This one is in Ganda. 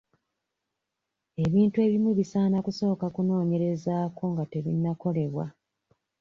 Ebintu ebimu bisaana kusooka kunoonyerezaako nga tebinnakolebwa.